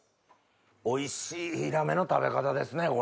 おいしいヒラメの食べ方ですねこれ。